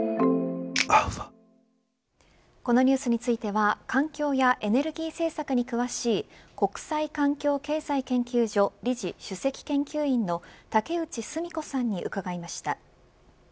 このニュースについては環境やエネルギー政策に詳しい国際環境経済研究所理事主席研究員の竹内純子さんに伺いました。